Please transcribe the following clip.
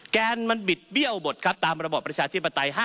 แกนมันบิดเบี้ยวบทครับตามระบอบประชาธิปไตย